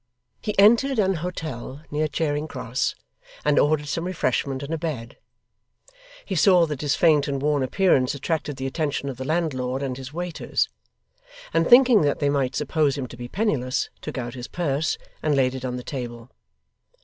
He entered an hotel near Charing Cross, and ordered some refreshment and a bed. He saw that his faint and worn appearance attracted the attention of the landlord and his waiters; and thinking that they might suppose him to be penniless, took out his purse, and laid it on the table.